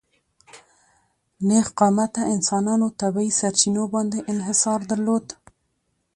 نېغ قامته انسانانو طبیعي سرچینو باندې انحصار درلود.